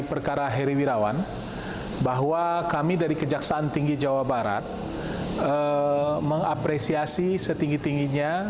perkara heri wirawan bahwa kami dari kejaksaan tinggi jawa barat mengapresiasi setinggi tingginya